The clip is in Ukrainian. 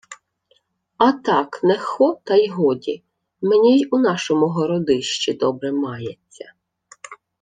— А так, не хо, та й годі. Мені й у нашому Городищі добре мається.